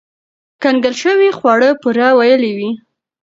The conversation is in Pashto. کنګل شوي خواړه پوره ویلوئ.